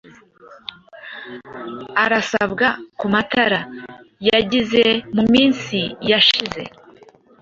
Arasabwa kumatara yagize muminsi yashize